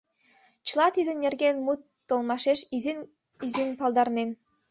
Чыла тидын нерген мут толмашеш изин-изин палдарен.